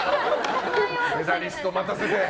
メダリスト待たせて！